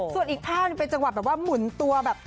ส่วนอีกภาพหนึ่งเป็นจังหวะแบบว่าหมุนตัวแบบ